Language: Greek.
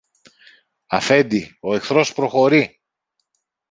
Αφέντη, ο εχθρός προχωρεί!